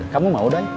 kamu mau dan